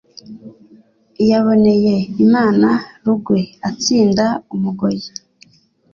Yaboneye Imana Rugwe atsinda umugoyi